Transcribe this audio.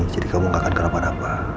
kamu gak akan kenapa napa